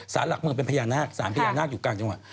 สารหลักเมืองเป็นพญานาคสารพญานาคอยู่กลางจังหวัด